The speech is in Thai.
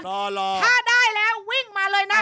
รอถ้าได้แล้ววิ่งมาเลยนะ